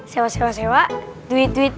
nah sewa sewa duit duit